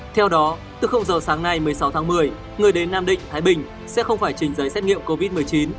theo đó từ giờ sáng nay một mươi sáu tháng một mươi người đến nam định thái bình sẽ không phải trình giấy xét nghiệm covid một mươi chín